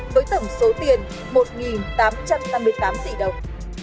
với tổng số tiền một tám trăm năm mươi tám tỷ đồng